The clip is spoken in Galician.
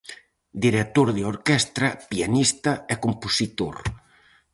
Director de orquestra, pianista e compositor.